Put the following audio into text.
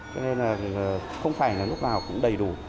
cho nên là không phải là lúc nào cũng đầy đủ